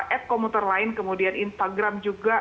ad komputer lain kemudian instagram juga